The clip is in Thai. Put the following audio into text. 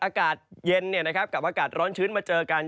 อากาศเย็นกับอากาศร้อนชื้นมาเจอกัน